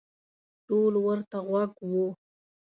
ټول ورته غوږ وو.